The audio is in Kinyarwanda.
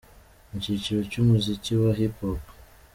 Mu cyiciro cy’umuziki wa Hip Hop.